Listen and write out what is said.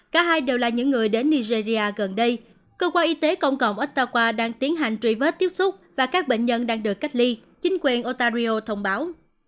cả hai đều là những người đến nigeria gần đây cơ quan y tế công cộng osttawa đang tiến hành truy vết tiếp xúc và các bệnh nhân đang được cách ly chính quyền otario thông báo